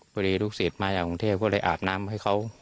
ลูกศิษย์มาจากกรุงเทพก็เลยอาบน้ำให้เขา